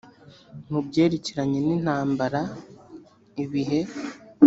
mu byerekeranye n intambara ibihe